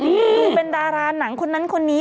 คือเป็นดาราหนังคนนั้นคนนี้